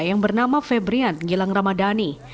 yang bernama febrian gilang ramadhani